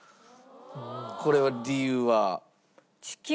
これは理由は？